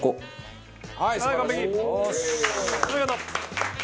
お見事！